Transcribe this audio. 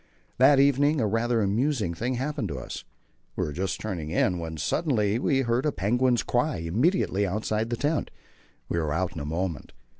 That evening a rather amusing thing happened to us. We were just turning in when suddenly we heard a penguin's cry immediately outside the tent. We were out in a moment.